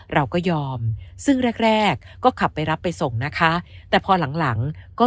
เราก็ยอมซึ่งแรกแรกก็ขับไปรับไปส่งนะคะแต่พอหลังหลังก็